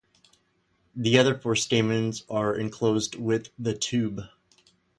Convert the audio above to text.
The other four stamens are enclosed within the tube.